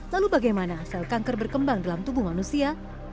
lalu bagaimana sel kanker berkembang dalam tubuh manusia